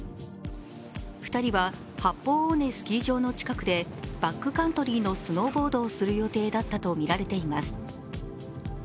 ２人は八方尾根スキー場の近くでバックカントリーのスノーボードをする予定だったとみられています。